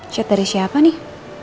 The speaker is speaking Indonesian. paket dari siapa nih